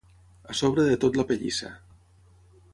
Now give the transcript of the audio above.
A sobre de tot la pellissa